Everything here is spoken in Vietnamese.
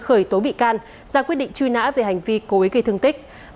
khởi tố bị can ra quyết định truy nã về hành vi cố ý gây thương tích